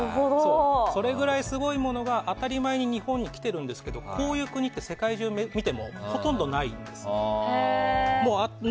それぐらいすごいものが当たり前に日本に来てますけどこういう国って世界中を見てもほとんどないんです。